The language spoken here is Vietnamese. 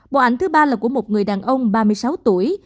bộ ảnh thứ ba là của một người đàn ông ba mươi sáu tuổi